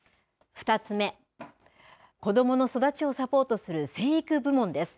２つ目、子どもの育ちをサポートする成育部門です。